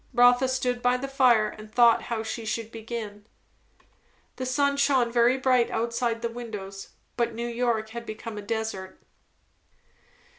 Rotha stood by the fire and thought how she should begin. The sun shone very bright outside the windows. But New York had become a desert.